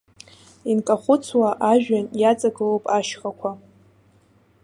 Инкахәыцуа ажәҩан иаҵагылоуп ашьхақәа.